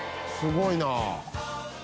すごいな！